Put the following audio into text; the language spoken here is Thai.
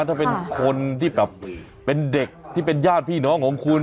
ถ้าเป็นคนที่แบบเป็นเด็กที่เป็นญาติพี่น้องของคุณ